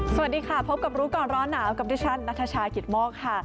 สวัสดีค่ะพบกับรู้ก่อนร้อนหนาวกับดิฉันนัทชายกิตโมกค่ะ